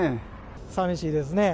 さみしいですね。